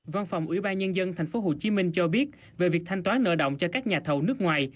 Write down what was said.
văn phòng ủy ban nhân dân tp hcm cho biết về việc thanh toán nợ động cho các nhà thầu nước ngoài